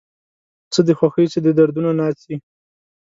څه د خوښۍ څه د دردونو ناڅي